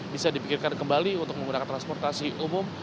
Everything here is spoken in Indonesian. bisa dipikirkan kembali untuk menggunakan transportasi umum